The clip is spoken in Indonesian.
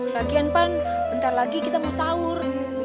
lagian pan nanti lagi kita mau sahur